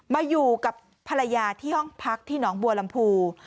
มาอยู่กับภรรยาที่ห้องพักที่หนองบัวลำพู